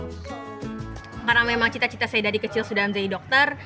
karena memang cita cita saya dari kecil sudah menjadi dokter